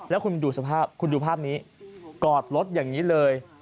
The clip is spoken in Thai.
แล้วคุณดูภาพนี้กอดรถอย่างนี้เลย